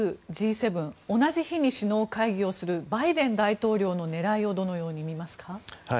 同じ日に首脳会議をするバイデン大統領の狙いをどのようにみますか？